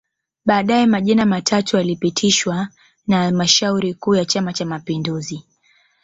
Baadae majina matatu yalipitishwa na halmashauri kuu ya Chama Cha Mapinduzi